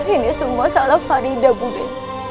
ini semua salah farida budi